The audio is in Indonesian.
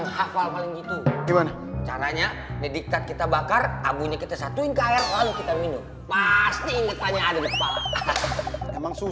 hamzah kitakan kuda